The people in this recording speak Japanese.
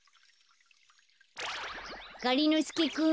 がりのすけくん。